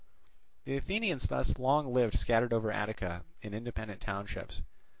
The Athenians thus long lived scattered over Attica in independent townships.